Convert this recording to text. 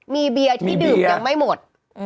มีเบียร์ที่ดื่มยังไม่หมด